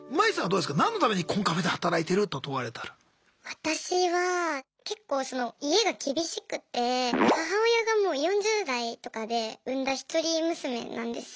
私は結構その家が厳しくて母親がもう４０代とかで産んだ一人娘なんですよ。